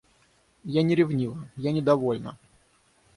Я не ревнива, а я недовольна.